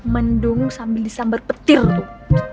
mendung sambil disambar petir tuh